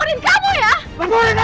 jangan tersebuahnin ya